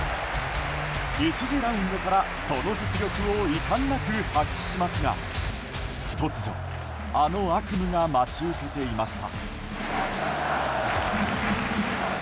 １次ラウンドからその実力をいかんなく発揮しますが突如、あの悪夢が待ち受けていました。